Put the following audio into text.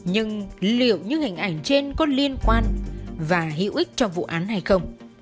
nhưng liệu những hình ảnh trên có liên quan và hữu ích cho vụ án hay không